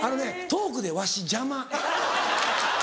トークで「わし」邪魔。